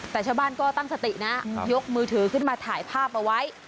แต่ชาวบ้านก็ตั้งสตินะยกมือถือขึ้นมาถ่ายภาพเอาไว้